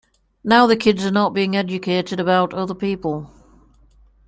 Now the kids are not being educated about other people.